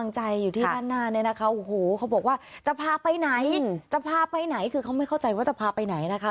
จะพาไปไหนคือเขาไม่เข้าใจว่าจะพาไปไหนนะคะ